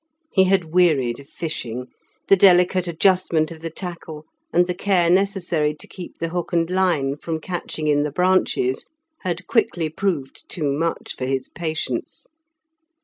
He had wearied of fishing, the delicate adjustment of the tackle and the care necessary to keep the hook and line from catching in the branches had quickly proved too much for his patience.